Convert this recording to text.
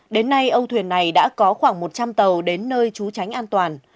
đến nay âu thuyền này đã có khoảng một trăm linh tàu đến nơi trú tránh an toàn